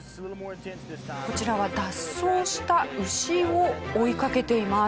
こちらは脱走した牛を追いかけています。